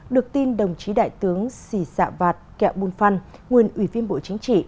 được tin đồng chí đại tướng sì dạ vạt kẹo bùn phăn nguyên ủy viên bộ chính trị